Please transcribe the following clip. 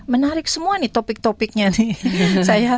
menarik semua nih topik topiknya nih